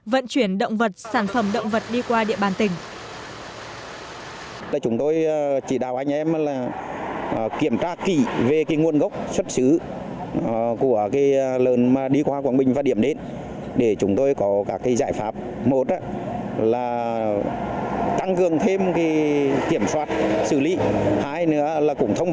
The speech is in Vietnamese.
vận chuyển động vật sản phẩm động vật đi qua địa bàn tỉnh